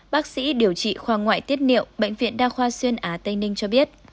bác sĩ điều trị khoa ngoại tiết niệu bệnh viện đa khoa xuyên á tây ninh cho biết